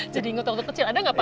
jadi ngotot ngotot kecil ada gak pak